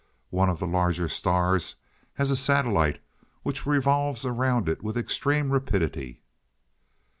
One of the larger stars has a satellite which revolves around it with extreme rapidity.